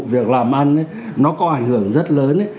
việc làm ăn nó có ảnh hưởng rất lớn